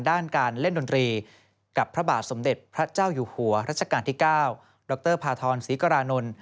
ด้านการเล่นดนตรีกับพระบาทสมเด็จพระเจ้าอยู่หัวรัชกาลที่๙ดรพาทรศรีกรานนท์